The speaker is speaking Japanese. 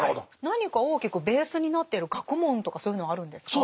何か大きくベースになっている学問とかそういうのはあるんですか？